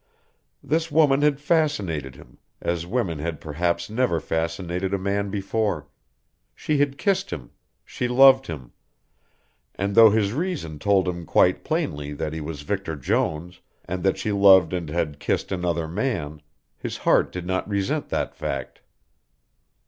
This woman had fascinated him, as women had perhaps never fascinated a man before; she had kissed him, she loved him, and though his reason told him quite plainly that he was Victor Jones and that she loved and had kissed another man, his heart did not resent that fact.